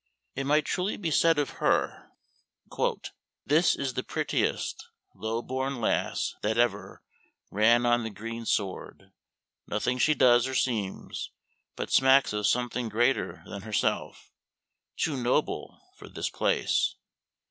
It might be truly said of her: "This is the prettiest low born lass, that ever Ran on the green sward: nothing she does or seems But smacks of something greater than herself; Too noble for this place."